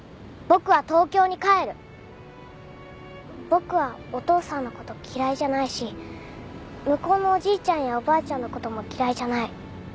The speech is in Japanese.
僕はお父さんのこと嫌いじゃないし向こうのおじいちゃんやおばあちゃんのことも嫌いじゃない。